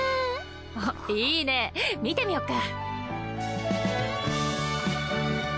あっいいね見てみよっか。